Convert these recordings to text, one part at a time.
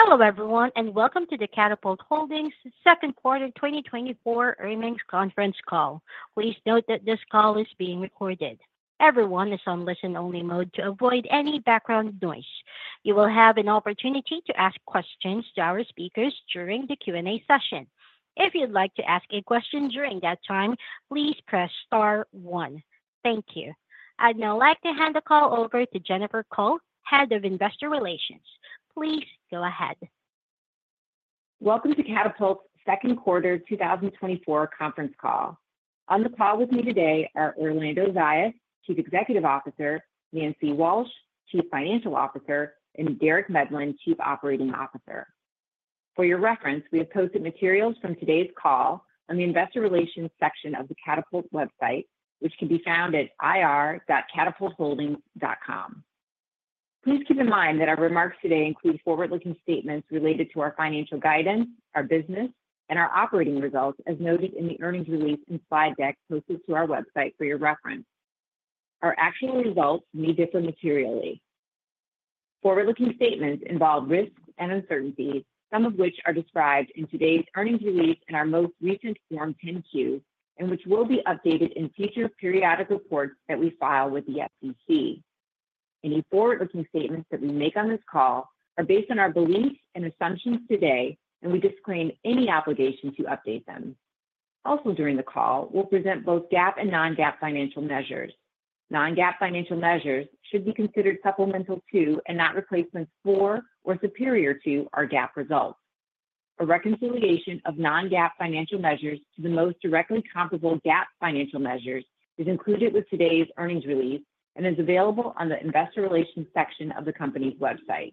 Hello, everyone, and welcome to the Katapult Holdings second quarter 2024 earnings conference call. Please note that this call is being recorded. Everyone is on listen-only mode to avoid any background noise. You will have an opportunity to ask questions to our speakers during the Q&A session. If you'd like to ask a question during that time, please press star one. Thank you. I'd now like to hand the call over to Jennifer Cole, Head of Investor Relations. Please go ahead. Welcome to Katapult's second quarter 2024 conference call. On the call with me today are Orlando Zayas, Chief Executive Officer, Nancy Walsh, Chief Financial Officer, and Derek Medlin, Chief Operating Officer. For your reference, we have posted materials from today's call on the investor relations section of the Katapult website, which can be found at ir.katapultholdings.com. Please keep in mind that our remarks today include forward-looking statements related to our financial guidance, our business, and our operating results, as noted in the earnings release and slide deck posted to our website for your reference. Our actual results may differ materially. Forward-looking statements involve risks and uncertainties, some of which are described in today's earnings release and our most recent Form 10-Q, and which will be updated in future periodic reports that we file with the SEC. Any forward-looking statements that we make on this call are based on our beliefs and assumptions today, and we disclaim any obligation to update them. Also during the call, we'll present both GAAP and non-GAAP financial measures. Non-GAAP financial measures should be considered supplemental to, and not replacements for or superior to, our GAAP results. A reconciliation of non-GAAP financial measures to the most directly comparable GAAP financial measures is included with today's earnings release and is available on the investor relations section of the company's website.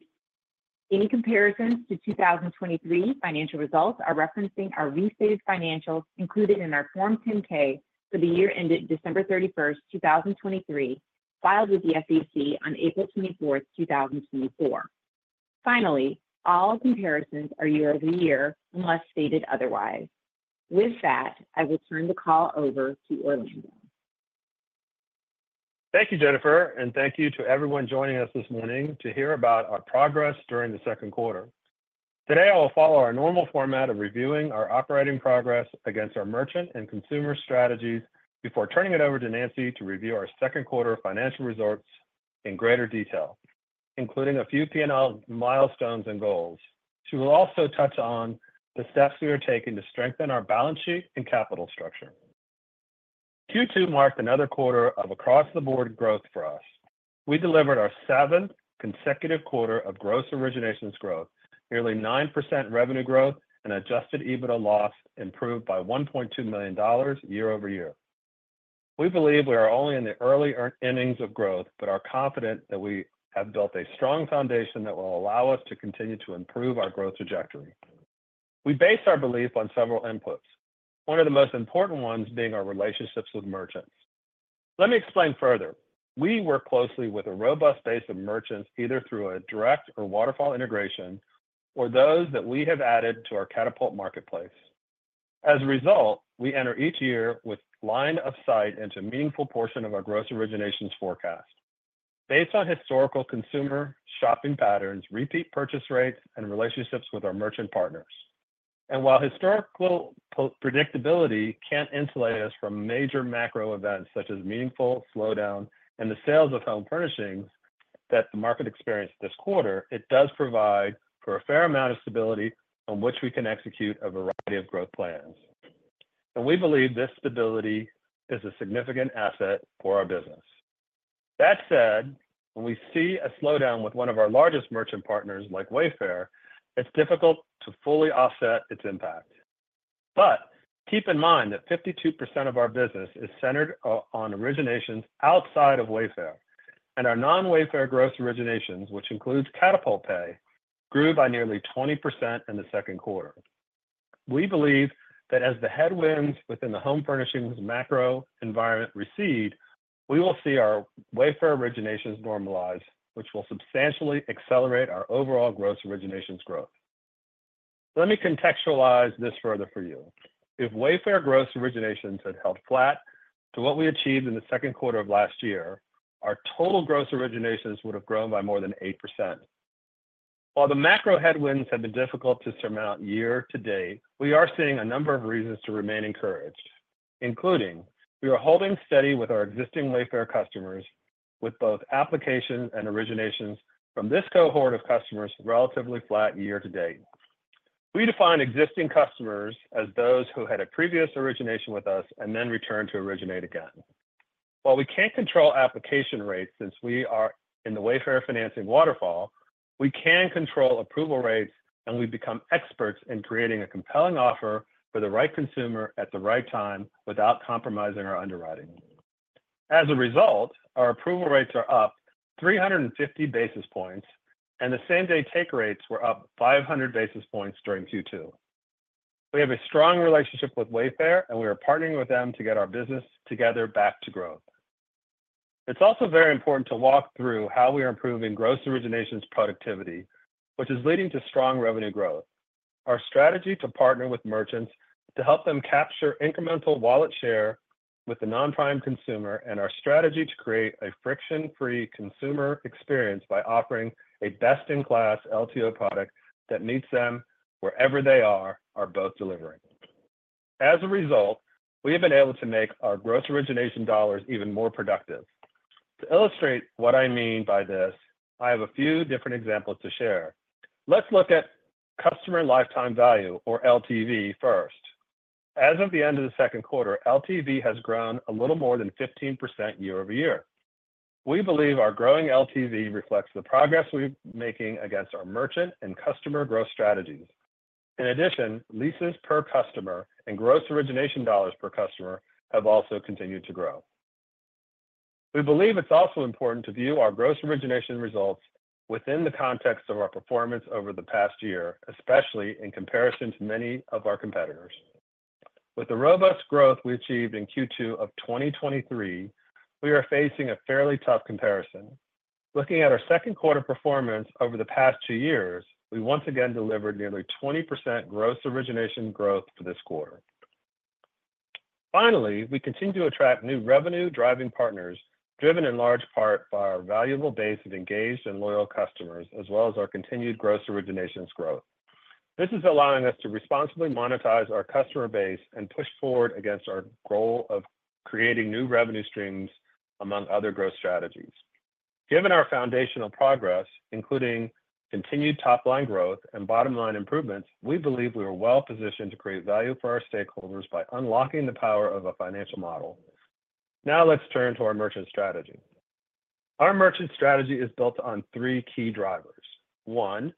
Any comparisons to 2023 financial results are referencing our restated financials included in our Form 10-K for the year ended December 31st, 2023, filed with the SEC on April 24th, 2024. Finally, all comparisons are year-over-year, unless stated otherwise. With that, I will turn the call over to Orlando. Thank you, Jennifer, and thank you to everyone joining us this morning to hear about our progress during the second quarter. Today, I will follow our normal format of reviewing our operating progress against our merchant and consumer strategies before turning it over to Nancy to review our second quarter financial results in greater detail, including a few P&L milestones and goals. She will also touch on the steps we are taking to strengthen our balance sheet and capital structure. Q2 marked another quarter of across-the-board growth for us. We delivered our seventh consecutive quarter of gross originations growth, nearly 9% revenue growth, and adjusted EBITDA loss improved by $1.2 million year-over-year. We believe we are only in the early innings of growth, but are confident that we have built a strong foundation that will allow us to continue to improve our growth trajectory. We base our belief on several inputs, one of the most important ones being our relationships with merchants. Let me explain further. We work closely with a robust base of merchants, either through a direct or waterfall integration, or those that we have added to our Katapult marketplace. As a result, we enter each year with line of sight into a meaningful portion of our gross originations forecast. Based on historical consumer shopping patterns, repeat purchase rates, and relationships with our merchant partners. And while historical predictability can't insulate us from major macro events such as meaningful slowdown in the sales of home furnishings that the market experienced this quarter, it does provide for a fair amount of stability on which we can execute a variety of growth plans. And we believe this stability is a significant asset for our business. That said, when we see a slowdown with one of our largest merchant partners, like Wayfair, it's difficult to fully offset its impact. But keep in mind that 52% of our business is centered on originations outside of Wayfair, and our non-Wayfair gross originations, which includes Katapult Pay, grew by nearly 20% in the second quarter. We believe that as the headwinds within the home furnishings macro environment recede, we will see our Wayfair originations normalize, which will substantially accelerate our overall gross originations growth. Let me contextualize this further for you. If Wayfair gross originations had held flat to what we achieved in the second quarter of last year, our total gross originations would have grown by more than 8%. While the macro headwinds have been difficult to surmount year to date, we are seeing a number of reasons to remain encouraged, including: we are holding steady with our existing Wayfair customers, with both applications and originations from this cohort of customers relatively flat year to date. We define existing customers as those who had a previous origination with us and then returned to originate again. While we can't control application rates since we are in the Wayfair financing waterfall, we can control approval rates, and we've become experts in creating a compelling offer for the right consumer at the right time without compromising our underwriting. As a result, our approval rates are up 350 basis points, and the same-day take rates were up 500 basis points during Q2. We have a strong relationship with Wayfair, and we are partnering with them to get our business together back to growth. It's also very important to walk through how we are improving Gross Originations productivity, which is leading to strong revenue growth. Our strategy to partner with merchants to help them capture incremental wallet share with the non-prime consumer, and our strategy to create a friction-free consumer experience by offering a best-in-class LTO product that meets them wherever they are, are both delivering. As a result, we have been able to make our Gross Origination dollars even more productive. To illustrate what I mean by this, I have a few different examples to share. Let's look at customer lifetime value, or LTV, first. As of the end of the second quarter, LTV has grown a little more than 15% year-over-year. We believe our growing LTV reflects the progress we're making against our merchant and customer growth strategies. In addition, leases per customer and gross origination dollars per customer have also continued to grow. We believe it's also important to view our gross origination results within the context of our performance over the past year, especially in comparison to many of our competitors. With the robust growth we achieved in Q2 of 2023, we are facing a fairly tough comparison. Looking at our second quarter performance over the past two years, we once again delivered nearly 20% gross origination growth for this quarter. Finally, we continue to attract new revenue-driving partners, driven in large part by our valuable base of engaged and loyal customers, as well as our continued gross originations growth. This is allowing us to responsibly monetize our customer base and push forward against our goal of creating new revenue streams, among other growth strategies. Given our foundational progress, including continued top-line growth and bottom-line improvements, we believe we are well positioned to create value for our stakeholders by unlocking the power of a financial model. Now, let's turn to our merchant strategy. Our merchant strategy is built on three key drivers: one,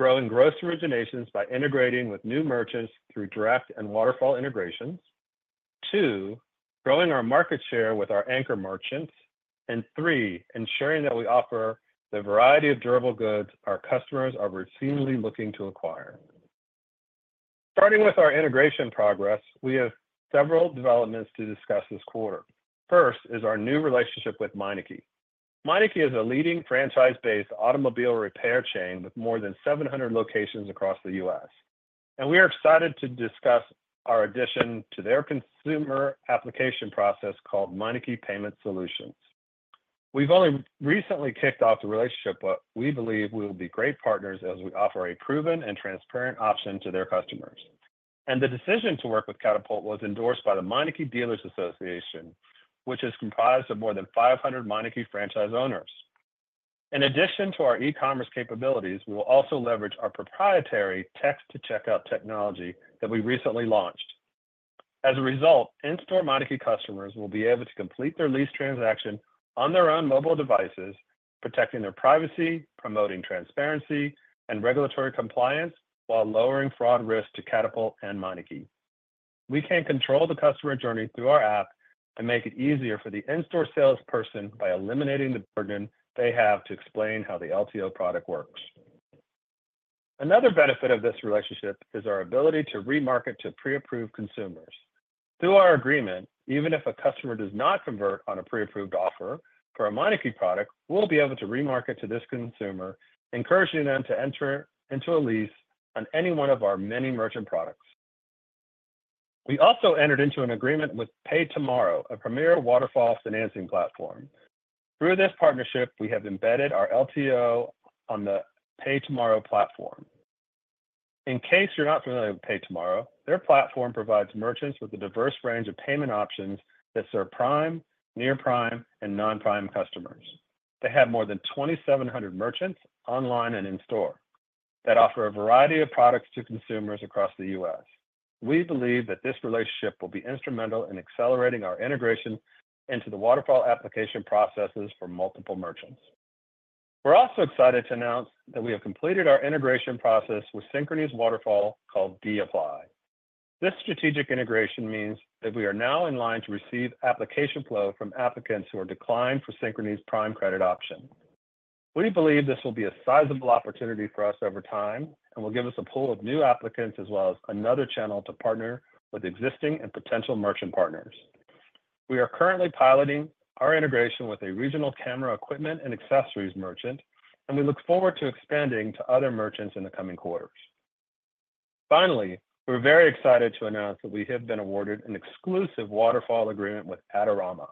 growing gross originations by integrating with new merchants through direct and waterfall integrations; two, growing our market share with our anchor merchants; and three, ensuring that we offer the variety of durable goods our customers are routinely looking to acquire. Starting with our integration progress, we have several developments to discuss this quarter. First is our new relationship with Meineke. Meineke is a leading franchise-based automobile repair chain with more than 700 locations across the US, and we are excited to discuss our addition to their consumer application process, called Meineke Payment Solutions. We've only recently kicked off the relationship, but we believe we will be great partners as we offer a proven and transparent option to their customers. The decision to work with Katapult was endorsed by the Meineke Dealers Association, which is comprised of more than 500 Meineke franchise owners. In addition to our e-commerce capabilities, we will also leverage our proprietary text-to-checkout technology that we recently launched. As a result, in-store Meineke customers will be able to complete their lease transaction on their own mobile devices, protecting their privacy, promoting transparency and regulatory compliance, while lowering fraud risk to Katapult and Meineke. We can control the customer journey through our app and make it easier for the in-store salesperson by eliminating the burden they have to explain how the LTO product works. Another benefit of this relationship is our ability to remarket to pre-approved consumers. Through our agreement, even if a customer does not convert on a pre-approved offer for a Meineke product, we'll be able to remarket to this consumer, encouraging them to enter into a lease on any one of our many merchant products. We also entered into an agreement with PayTomorrow, a premier waterfall financing platform. Through this partnership, we have embedded our LTO on the PayTomorrow platform. In case you're not familiar with PayTomorrow, their platform provides merchants with a diverse range of payment options that serve prime, near prime, and non-prime customers. They have more than 2,700 merchants online and in store that offer a variety of products to consumers across the U.S. We believe that this relationship will be instrumental in accelerating our integration into the waterfall application processes for multiple merchants. We're also excited to announce that we have completed our integration process with Synchrony's Waterfall, called dApply. This strategic integration means that we are now in line to receive application flow from applicants who are declined for Synchrony's prime credit option. We believe this will be a sizable opportunity for us over time and will give us a pool of new applicants, as well as another channel to partner with existing and potential merchant partners. We are currently piloting our integration with a regional camera equipment and accessories merchant, and we look forward to expanding to other merchants in the coming quarters. Finally, we're very excited to announce that we have been awarded an exclusive waterfall agreement with Adorama.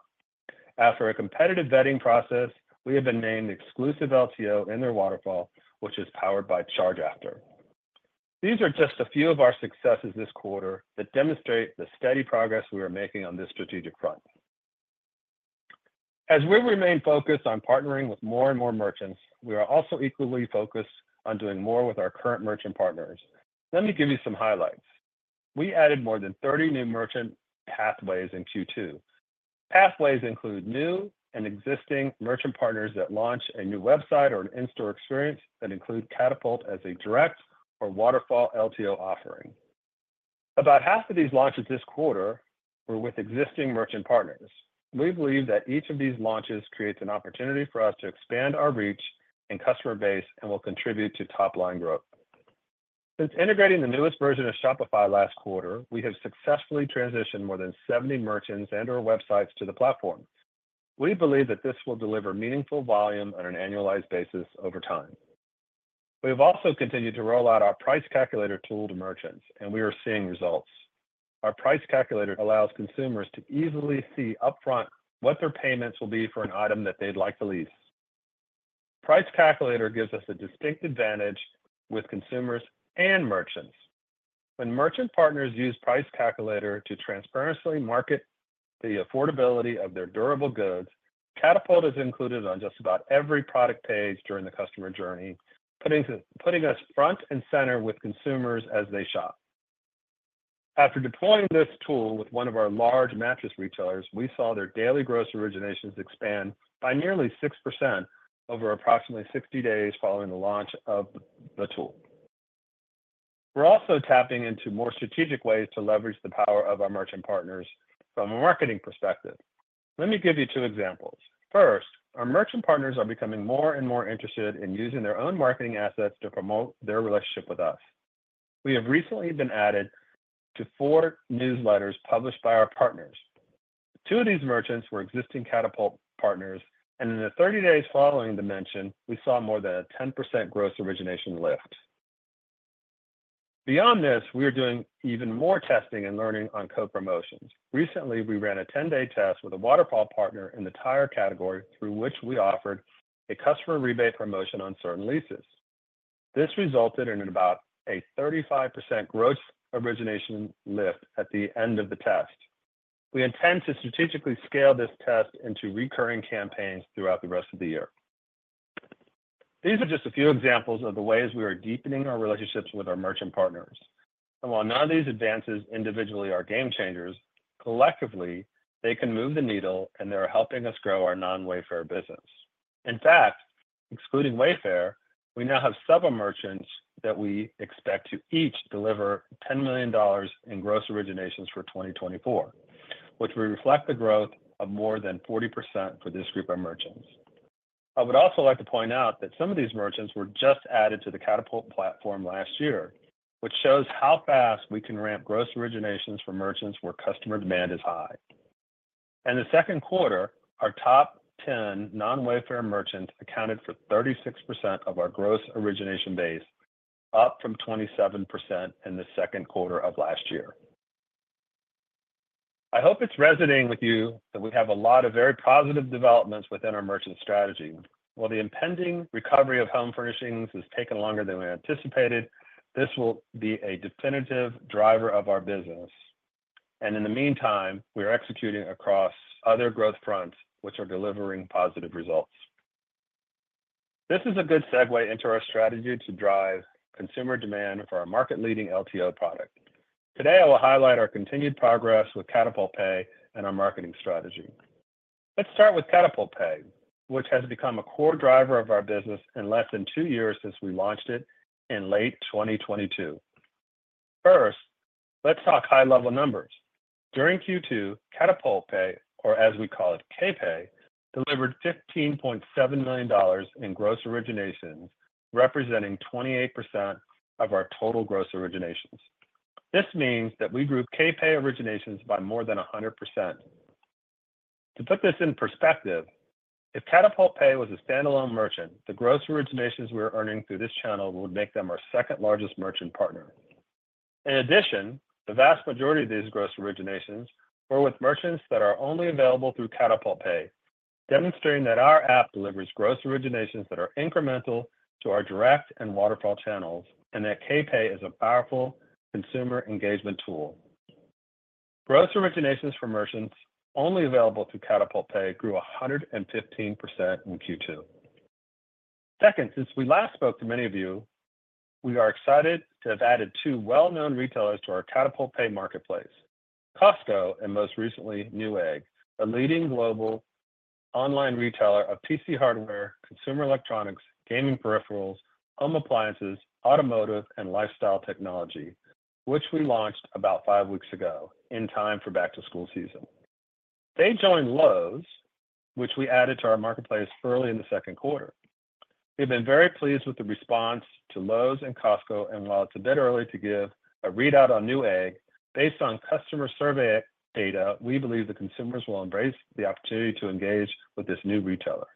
After a competitive vetting process, we have been named exclusive LTO in their waterfall, which is powered by ChargeAfter. These are just a few of our successes this quarter that demonstrate the steady progress we are making on this strategic front. As we remain focused on partnering with more and more merchants, we are also equally focused on doing more with our current merchant partners. Let me give you some highlights. We added more than 30 new merchant pathways in Q2. Pathways include new and existing merchant partners that launch a new website or an in-store experience that include Katapult as a direct or waterfall LTO offering. About half of these launches this quarter were with existing merchant partners. We believe that each of these launches creates an opportunity for us to expand our reach and customer base and will contribute to top-line growth. Since integrating the newest version of Shopify last quarter, we have successfully transitioned more than 70 merchants and/or websites to the platform. We believe that this will deliver meaningful volume on an annualized basis over time. We have also continued to roll out our Price Calculator tool to merchants, and we are seeing results. Our Price Calculator allows consumers to easily see upfront what their payments will be for an item that they'd like to lease. Price Calculator gives us a distinct advantage with consumers and merchants. When merchant partners use Price Calculator to transparently market the affordability of their durable goods, Katapult is included on just about every product page during the customer journey, putting us, putting us front and center with consumers as they shop. After deploying this tool with one of our large mattress retailers, we saw their daily gross originations expand by nearly 6% over approximately 60 days following the launch of the tool. We're also tapping into more strategic ways to leverage the power of our merchant partners from a marketing perspective. Let me give you two examples: First, our merchant partners are becoming more and more interested in using their own marketing assets to promote their relationship with us. We have recently been added to four newsletters published by our partners. Two of these merchants were existing Katapult partners, and in the 30 days following the mention, we saw more than a 10% gross origination lift. Beyond this, we are doing even more testing and learning on co-promotions. Recently, we ran a 10-day test with a waterfall partner in the tire category, through which we offered a customer rebate promotion on certain leases. This resulted in about a 35% gross origination lift at the end of the test. We intend to strategically scale this test into recurring campaigns throughout the rest of the year. These are just a few examples of the ways we are deepening our relationships with our merchant partners. And while none of these advances individually are game changers, collectively, they can move the needle, and they are helping us grow our non-Wayfair business. In fact, excluding Wayfair, we now have several merchants that we expect to each deliver $10 million in gross originations for 2024, which will reflect the growth of more than 40% for this group of merchants. I would also like to point out that some of these merchants were just added to the Katapult platform last year, which shows how fast we can ramp gross originations for merchants where customer demand is high. In the second quarter, our top 10 non-Wayfair merchants accounted for 36% of our gross origination base, up from 27% in the second quarter of last year. I hope it's resonating with you that we have a lot of very positive developments within our merchant strategy. While the impending recovery of home furnishings has taken longer than we anticipated, this will be a definitive driver of our business, and in the meantime, we are executing across other growth fronts, which are delivering positive results. This is a good segue into our strategy to drive consumer demand for our market-leading LTO product. Today, I will highlight our continued progress with Katapult Pay and our marketing strategy. Let's start with Katapult Pay, which has become a core driver of our business in less than two years since we launched it in late 2022. First, let's talk high-level numbers. During Q2, Katapult Pay, or as we call it, KPay, delivered $15.7 million in gross originations, representing 28% of our total gross originations. This means that we grew KPay originations by more than 100%. To put this in perspective, if Katapult Pay was a standalone merchant, the gross originations we are earning through this channel would make them our second-largest merchant partner. In addition, the vast majority of these gross originations were with merchants that are only available through Katapult Pay, demonstrating that our app delivers gross originations that are incremental to our direct and waterfall channels, and that KPay is a powerful consumer engagement tool. Gross originations for merchants only available through Katapult Pay grew 115% in Q2. Second, since we last spoke to many of you, we are excited to have added two well-known retailers to our Katapult Pay marketplace: Costco, and most recently, Newegg, a leading global online retailer of PC hardware, consumer electronics, gaming peripherals, home appliances, automotive, and lifestyle technology, which we launched about five weeks ago in time for back-to-school season. They joined Lowe's, which we added to our marketplace early in the second quarter. We've been very pleased with the response to Lowe's and Costco, and while it's a bit early to give a readout on Newegg, based on customer survey data, we believe the consumers will embrace the opportunity to engage with this new retailer.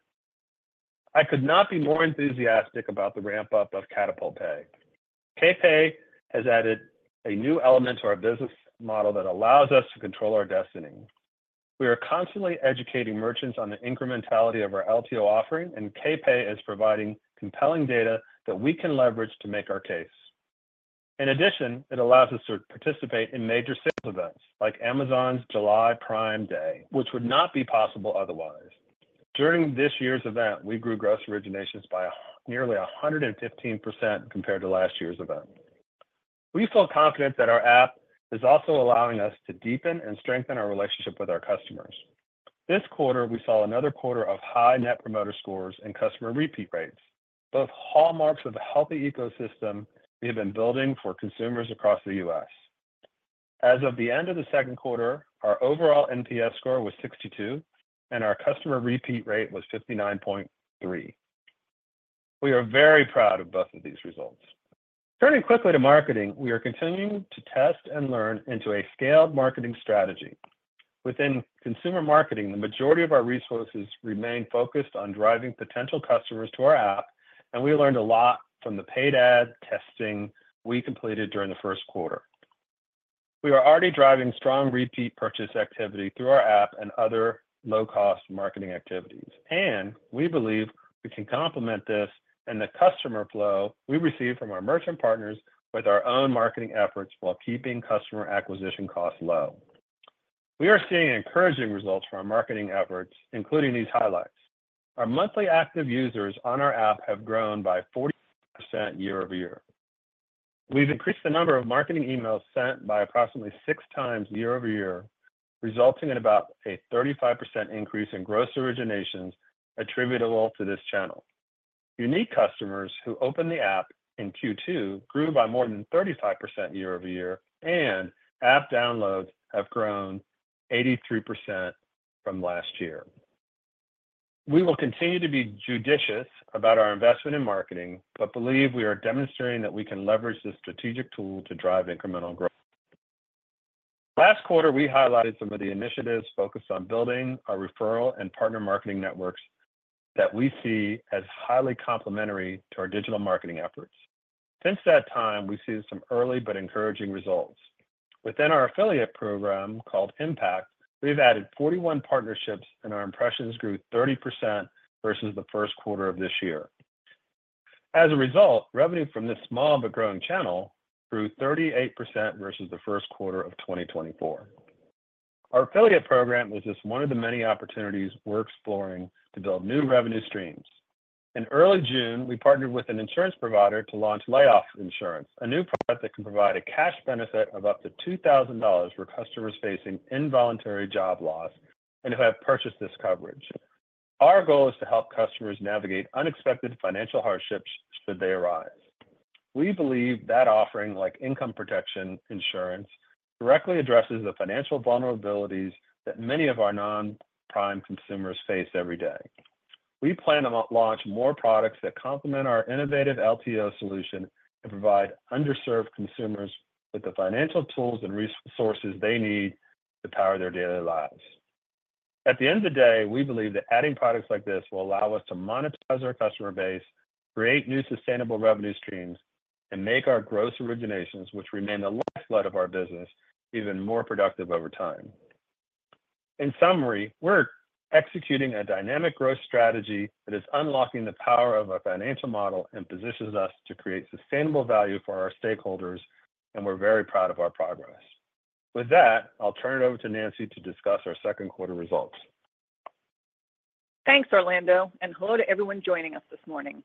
I could not be more enthusiastic about the ramp-up of Katapult Pay. KPay has added a new element to our business model that allows us to control our destiny. We are constantly educating merchants on the incrementality of our LTO offering, and KPay is providing compelling data that we can leverage to make our case. In addition, it allows us to participate in major sales events like Amazon's July Prime Day, which would not be possible otherwise. During this year's event, we grew gross originations by nearly 115% compared to last year's event. We feel confident that our app is also allowing us to deepen and strengthen our relationship with our customers. This quarter, we saw another quarter of high net promoter scores and customer repeat rates, both hallmarks of a healthy ecosystem we have been building for consumers across the U.S. As of the end of the second quarter, our overall NPS score was 62, and our customer repeat rate was 59.3. We are very proud of both of these results. Turning quickly to marketing, we are continuing to test and learn into a scaled marketing strategy. Within consumer marketing, the majority of our resources remain focused on driving potential customers to our app, and we learned a lot from the paid ad testing we completed during the first quarter. We are already driving strong repeat purchase activity through our app and other low-cost marketing activities, and we believe we can complement this and the customer flow we receive from our merchant partners with our own marketing efforts, while keeping customer acquisition costs low. We are seeing encouraging results from our marketing efforts, including these highlights. Our monthly active users on our app have grown by 40% year-over-year. We've increased the number of marketing emails sent by approximately 6 times year-over-year, resulting in about a 35% increase in gross originations attributable to this channel. Unique customers who opened the app in Q2 grew by more than 35% year-over-year, and app downloads have grown 83% from last year. We will continue to be judicious about our investment in marketing, but believe we are demonstrating that we can leverage this strategic tool to drive incremental growth. Last quarter, we highlighted some of the initiatives focused on building our referral and partner marketing networks that we see as highly complementary to our digital marketing efforts. Since that time, we've seen some early but encouraging results. Within our affiliate program, called Impact, we've added 41 partnerships, and our impressions grew 30% versus the first quarter of this year. As a result, revenue from this small but growing channel grew 38% versus the first quarter of 2024. Our affiliate program was just one of the many opportunities we're exploring to build new revenue streams. In early June, we partnered with an insurance provider to launch Layoff Insurance, a new product that can provide a cash benefit of up to $2,000 for customers facing involuntary job loss and who have purchased this coverage. Our goal is to help customers navigate unexpected financial hardships should they arise. We believe that offering, like income protection insurance, directly addresses the financial vulnerabilities that many of our non-prime consumers face every day. We plan to launch more products that complement our innovative LTO solution and provide underserved consumers with the financial tools and resources they need to power their daily lives. At the end of the day, we believe that adding products like this will allow us to monetize our customer base, create new sustainable revenue streams, and make our gross originations, which remain the lifeblood of our business, even more productive over time. In summary, we're executing a dynamic growth strategy that is unlocking the power of our financial model and positions us to create sustainable value for our stakeholders, and we're very proud of our progress. With that, I'll turn it over to Nancy to discuss our second quarter results. Thanks, Orlando, and hello to everyone joining us this morning.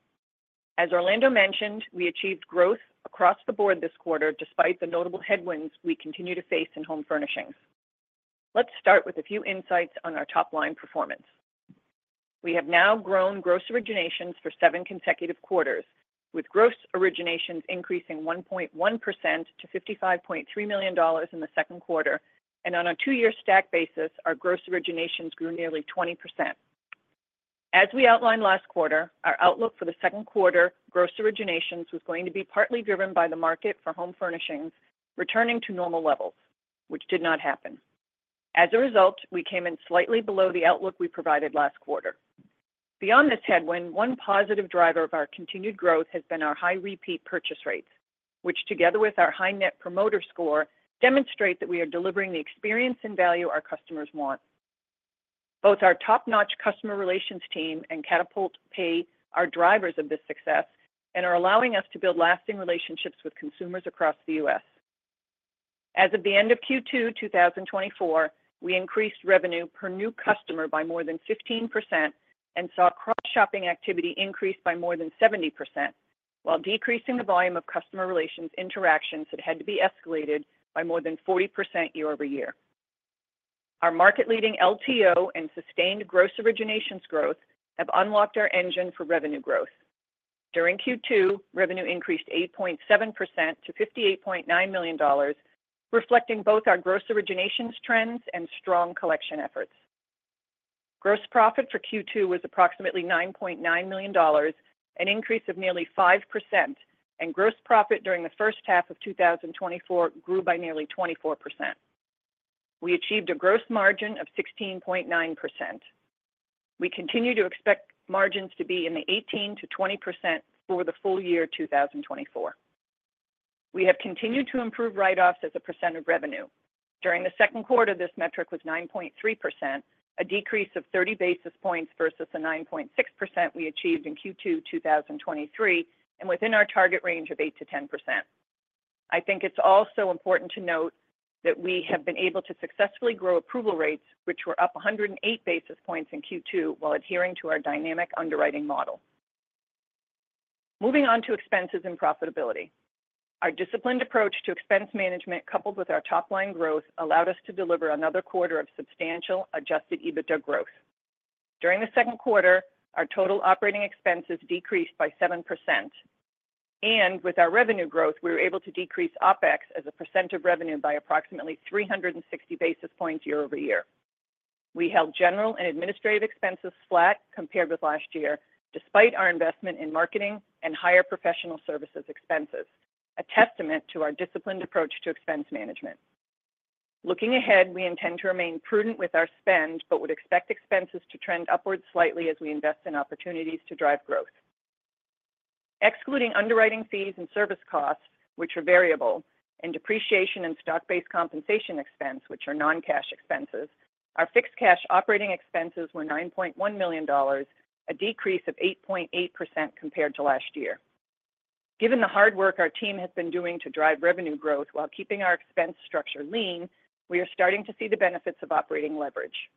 As Orlando mentioned, we achieved growth across the board this quarter, despite the notable headwinds we continue to face in home furnishings. Let's start with a few insights on our top-line performance. We have now grown gross originations for seven consecutive quarters, with gross originations increasing 1.1% to $55.3 million in the second quarter. On a two-year stack basis, our gross originations grew nearly 20%. As we outlined last quarter, our outlook for the second quarter gross originations was going to be partly driven by the market for home furnishings returning to normal levels, which did not happen. As a result, we came in slightly below the outlook we provided last quarter. Beyond this headwind, one positive driver of our continued growth has been our high repeat purchase rates, which, together with our high Net Promoter Score, demonstrate that we are delivering the experience and value our customers want. Both our top-notch customer relations team and Katapult Pay are drivers of this success and are allowing us to build lasting relationships with consumers across the U.S. As of the end of Q2 2024, we increased revenue per new customer by more than 15% and saw cross-shopping activity increase by more than 70%, while decreasing the volume of customer relations interactions that had to be escalated by more than 40% year-over-year. Our market-leading LTO and sustained gross originations growth have unlocked our engine for revenue growth. During Q2, revenue increased 8.7% to $58.9 million, reflecting both our gross originations trends and strong collection efforts. Gross profit for Q2 was approximately $9.9 million, an increase of nearly 5%, and gross profit during the first half of 2024 grew by nearly 24%. We achieved a gross margin of 16.9%. We continue to expect margins to be in the 18%-20% for the full year 2024. We have continued to improve write-offs as a percent of revenue. During the second quarter, this metric was 9.3%, a decrease of 30 basis points versus the 9.6% we achieved in Q2 2023, and within our target range of 8%-10%. I think it's also important to note that we have been able to successfully grow approval rates, which were up 108 basis points in Q2, while adhering to our dynamic underwriting model. Moving on to expenses and profitability. Our disciplined approach to expense management, coupled with our top-line growth, allowed us to deliver another quarter of substantial Adjusted EBITDA growth. During the second quarter, our total operating expenses decreased by 7%, and with our revenue growth, we were able to decrease OpEx as a percent of revenue by approximately 360 basis points year-over-year. We held general and administrative expenses flat compared with last year, despite our investment in marketing and higher professional services expenses, a testament to our disciplined approach to expense management. Looking ahead, we intend to remain prudent with our spend, but would expect expenses to trend upwards slightly as we invest in opportunities to drive growth. Excluding underwriting fees and service costs, which are variable, and depreciation and stock-based compensation expense, which are non-cash expenses, our fixed cash operating expenses were $9.1 million, a decrease of 8.8% compared to last year. Given the hard work our team has been doing to drive revenue growth while keeping our expense structure lean, we are starting to see the benefits of operating leverage.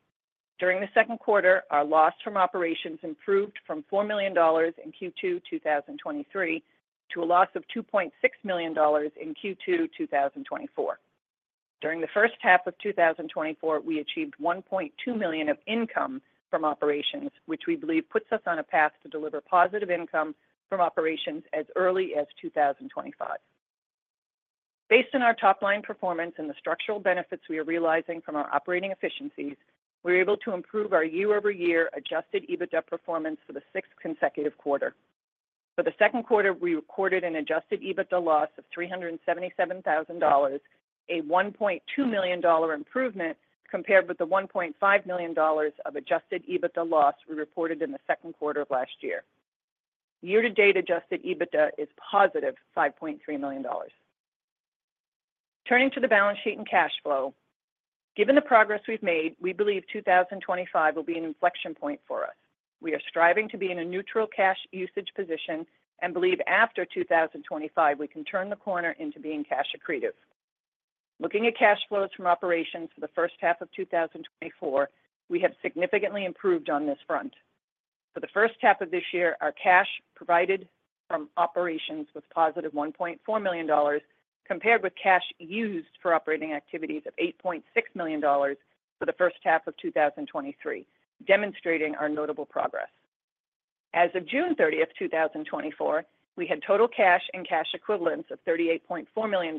During the second quarter, our loss from operations improved from $4 million in Q2 2023, to a loss of $2.6 million in Q2 2024. During the first half of 2024, we achieved $1.2 million of income from operations, which we believe puts us on a path to deliver positive income from operations as early as 2025. Based on our top-line performance and the structural benefits we are realizing from our operating efficiencies, we were able to improve our year-over-year adjusted EBITDA performance for the sixth consecutive quarter. For the second quarter, we recorded an adjusted EBITDA loss of $377,000, a $1.2 million improvement compared with the $1.5 million of adjusted EBITDA loss we reported in the second quarter of last year. Year-to-date adjusted EBITDA is positive $5.3 million. Turning to the balance sheet and cash flow. Given the progress we've made, we believe 2025 will be an inflection point for us. We are striving to be in a neutral cash usage position and believe after 2025, we can turn the corner into being cash accretive. Looking at cash flows from operations for the first half of 2024, we have significantly improved on this front. For the first half of this year, our cash provided from operations was positive $1.4 million, compared with cash used for operating activities of $8.6 million for the first half of 2023, demonstrating our notable progress. As of June thirtieth, 2024, we had total cash and cash equivalents of $38.4 million,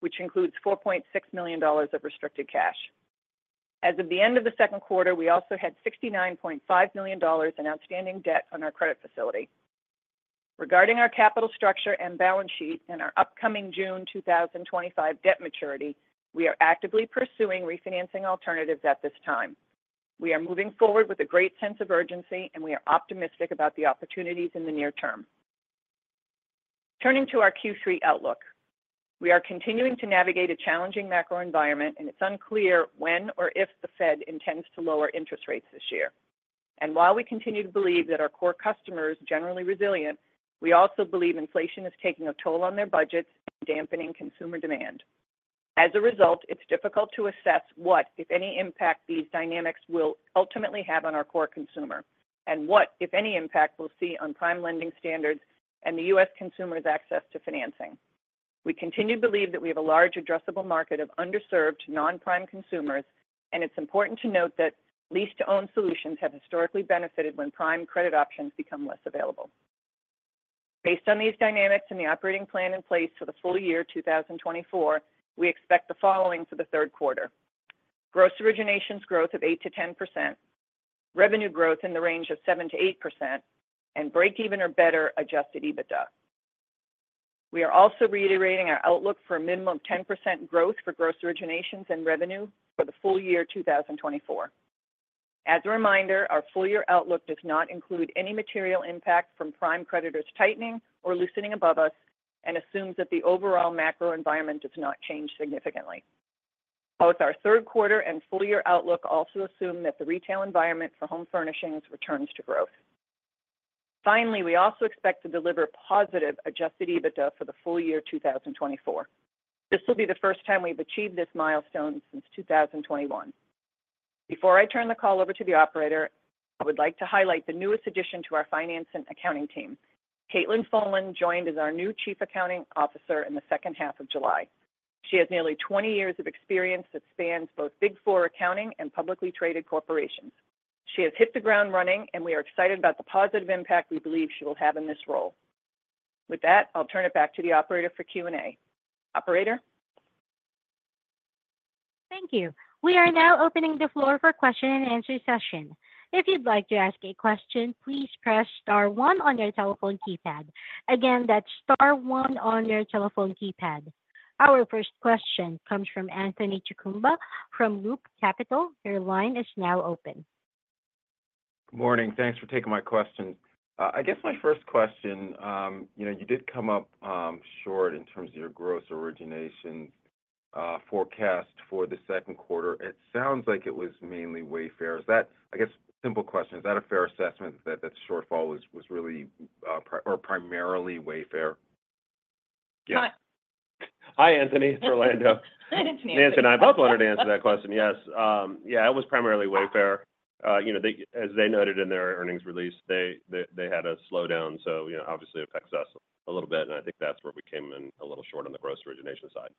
which includes $4.6 million of restricted cash. As of the end of the second quarter, we also had $69.5 million in outstanding debt on our credit facility. Regarding our capital structure and balance sheet and our upcoming June 2025 debt maturity, we are actively pursuing refinancing alternatives at this time. We are moving forward with a great sense of urgency, and we are optimistic about the opportunities in the near term. Turning to our Q3 outlook, we are continuing to navigate a challenging macro environment, and it's unclear when or if the Fed intends to lower interest rates this year. And while we continue to believe that our core customer is generally resilient, we also believe inflation is taking a toll on their budgets and dampening consumer demand. As a result, it's difficult to assess what, if any, impact these dynamics will ultimately have on our core consumer and what, if any, impact we'll see on prime lending standards and the U.S. consumer's access to financing. We continue to believe that we have a large addressable market of underserved non-prime consumers, and it's important to note that lease-to-own solutions have historically benefited when prime credit options become less available. Based on these dynamics and the operating plan in place for the full year 2024, we expect the following for the third quarter: gross originations growth of 8%-10%, revenue growth in the range of 7%-8%, and break even or better adjusted EBITDA. We are also reiterating our outlook for a minimum of 10% growth for gross originations and revenue for the full year 2024. As a reminder, our full year outlook does not include any material impact from prime creditors tightening or loosening above us and assumes that the overall macro environment does not change significantly. Both our third quarter and full year outlook also assume that the retail environment for home furnishings returns to growth. Finally, we also expect to deliver positive Adjusted EBITDA for the full year 2024. This will be the first time we've achieved this milestone since 2021. Before I turn the call over to the operator, I would like to highlight the newest addition to our finance and accounting team. Caitlin Folan joined as our new Chief Accounting Officer in the second half of July. She has nearly 20 years of experience that spans both Big Four accounting and publicly traded corporations. She has hit the ground running, and we are excited about the positive impact we believe she will have in this role. With that, I'll turn it back to the operator for Q&A. Operator? Thank you. We are now opening the floor for question and answer session. If you'd like to ask a question, please press star one on your telephone keypad. Again, that's star one on your telephone keypad. Our first question comes from Anthony Chukumba from Loop Capital. Your line is now open. Good morning. Thanks for taking my question. I guess my first question, you know, you did come up short in terms of your Gross Originations forecast for the second quarter. It sounds like it was mainly Wayfair. Is that... I guess, simple question, is that a fair assessment, that the shortfall was really, or primarily Wayfair? Yeah. Hi- Hi, Anthony. It's Orlando. It's me. Nancy and I both wanted to answer that question. Yes. Yeah, it was primarily Wayfair. You know, as they noted in their earnings release, they had a slowdown, so, you know, obviously, it affects us a little bit, and I think that's where we came in a little short on the gross originations side.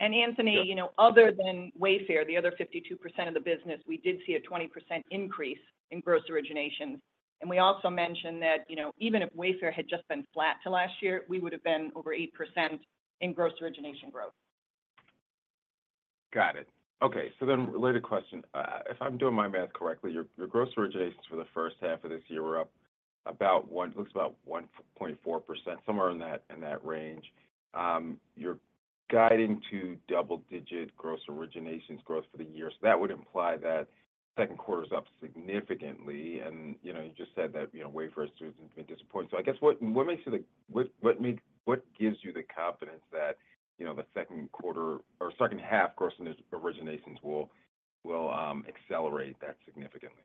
And Anthony- Yeah. You know, other than Wayfair, the other 52% of the business, we did see a 20% increase in Gross Originations. We also mentioned that, you know, even if Wayfair had just been flat to last year, we would have been over 8% in Gross Origination growth.... Got it. Okay, so then related question. If I'm doing my math correctly, your gross originations for the first half of this year were up about 1.4%, somewhere in that range. You're guiding to double-digit gross originations growth for the year. So that would imply that second quarter is up significantly, and, you know, you just said that, you know, Wayfair trends have been disappointing. So I guess what gives you the confidence that, you know, the second quarter or second half gross originations will accelerate that significantly?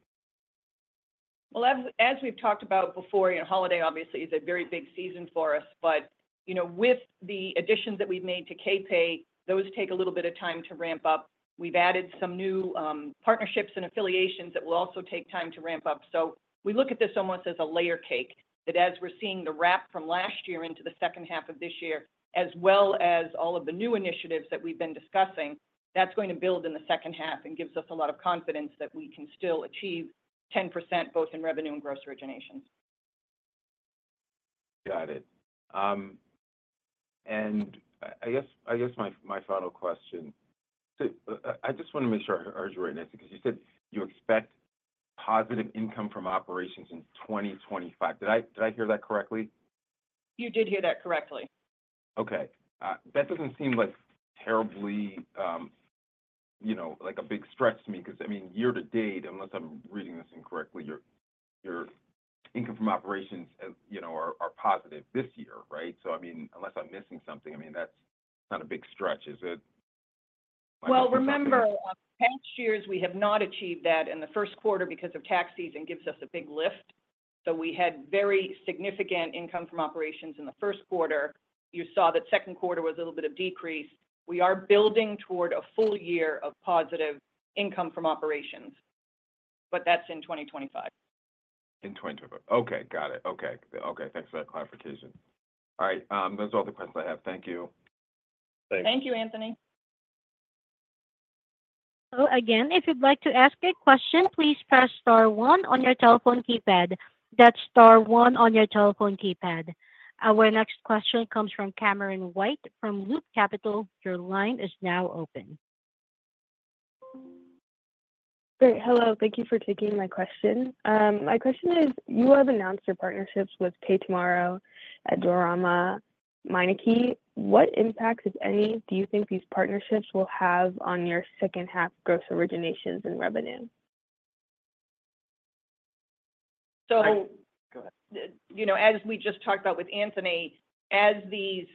Well, as we've talked about before, you know, holiday obviously is a very big season for us, but, you know, with the additions that we've made to KPay, those take a little bit of time to ramp up. We've added some new partnerships and affiliations that will also take time to ramp up. So we look at this almost as a layer cake, that as we're seeing the wrap from last year into the second half of this year, as well as all of the new initiatives that we've been discussing, that's going to build in the second half and gives us a lot of confidence that we can still achieve 10%, both in revenue and gross originations. Got it. I guess my final question. So I just want to make sure I heard you right, Nancy, because you said you expect positive income from operations in 2025. Did I hear that correctly? You did hear that correctly. Okay. That doesn't seem like terribly, you know, like a big stretch to me. Because, I mean, year to date, unless I'm reading this incorrectly, your, your income from operations, as you know, are, are positive this year, right? So, I mean, unless I'm missing something, I mean, that's not a big stretch, is it? Well, remember, past years, we have not achieved that in the first quarter because of tax season gives us a big lift. So we had very significant income from operations in the first quarter. You saw that second quarter was a little bit of decrease. We are building toward a full year of positive income from operations, but that's in 2025. In 2025. Okay, got it. Okay. Okay, thanks for that clarification. All right, that's all the questions I have. Thank you. Thank you, Anthony. So again, if you'd like to ask a question, please press star one on your telephone keypad. That's star one on your telephone keypad. Our next question comes from Cameron White, from Loop Capital. Your line is now open. Great. Hello, thank you for taking my question. My question is, you have announced your partnerships with PayTomorrow, Adorama, Meineke. What impact, if any, do you think these partnerships will have on your second half gross originations and revenue? So- Go ahead. You know, as we just talked about with Anthony, as these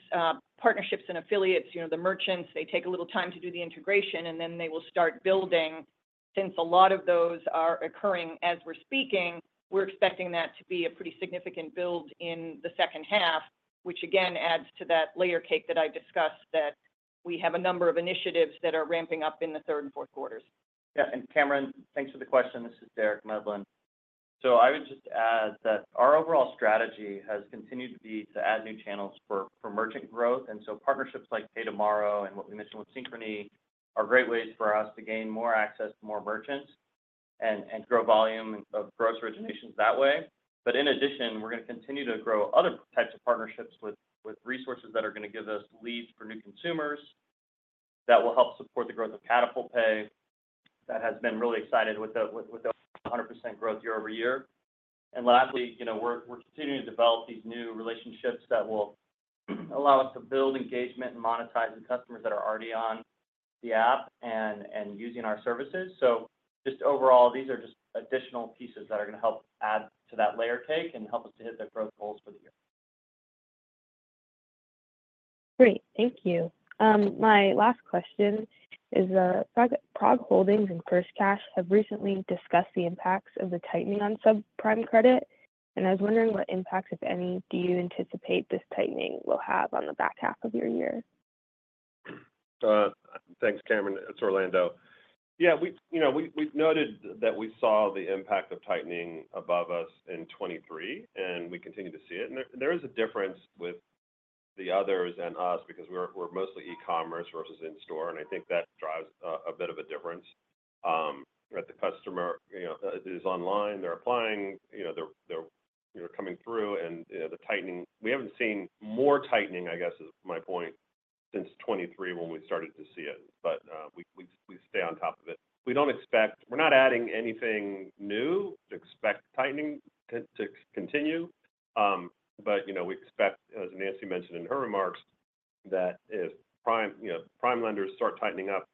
partnerships and affiliates, you know, the merchants, they take a little time to do the integration, and then they will start building. Since a lot of those are occurring as we're speaking, we're expecting that to be a pretty significant build in the second half, which again, adds to that layer cake that I discussed, that we have a number of initiatives that are ramping up in the third and fourth quarters. Yeah, and Cameron, thanks for the question. This is Derek Medlin. So I would just add that our overall strategy has continued to be to add new channels for merchant growth. And so partnerships like PayTomorrow and what we mentioned with Synchrony are great ways for us to gain more access to more merchants and grow volume of Gross Originations that way. But in addition, we're going to continue to grow other types of partnerships with resources that are going to give us leads for new consumers that will help support the growth of Katapult Pay. That has been really excited with the 100% growth year-over-year. And lastly, you know, we're continuing to develop these new relationships that will allow us to build engagement and monetize the customers that are already on the app and using our services. Just overall, these are just additional pieces that are going to help add to that layer cake and help us to hit the growth goals for the year. Great. Thank you. My last question is, Prog Holdings and FirstCash have recently discussed the impacts of the tightening on subprime credit, and I was wondering what impacts, if any, do you anticipate this tightening will have on the back half of your year? Thanks, Cameron. It's Orlando. Yeah, we—you know, we've noted that we saw the impact of tightening above us in 2023, and we continue to see it. And there is a difference with the others and us because we're mostly e-commerce versus in-store, and I think that drives a bit of a difference. Right, the customer, you know, is online, they're applying, you know, they're coming through, and, you know, the tightening—we haven't seen more tightening, I guess, is my point, since 2023 when we started to see it. But, we stay on top of it. We don't expect—we're not adding anything new to expect tightening to continue. But, you know, we expect, as Nancy mentioned in her remarks, that if prime, you know, prime lenders start tightening up,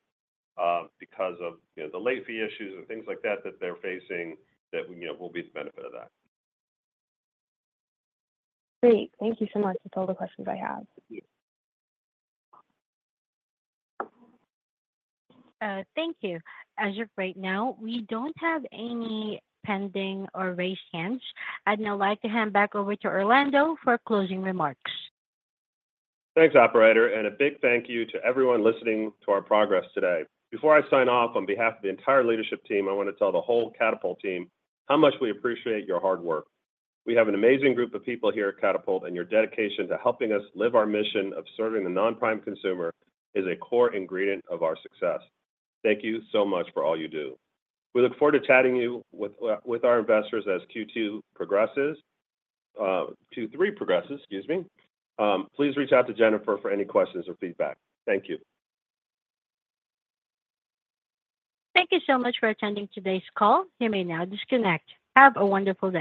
because of, you know, the late fee issues and things like that, that, you know, we'll be the benefit of that. Great. Thank you so much. That's all the questions I have. Thank you. As of right now, we don't have any pending or raised hands. I'd now like to hand back over to Orlando for closing remarks. Thanks, operator, and a big thank you to everyone listening to our progress today. Before I sign off, on behalf of the entire leadership team, I want to tell the whole Katapult team how much we appreciate your hard work. We have an amazing group of people here at Katapult, and your dedication to helping us live our mission of serving the non-prime consumer is a core ingredient of our success. Thank you so much for all you do. We look forward to chatting you with, with our investors as Q2 progresses, Q3 progresses, excuse me. Please reach out to Jennifer for any questions or feedback. Thank you. Thank you so much for attending today's call. You may now disconnect. Have a wonderful day.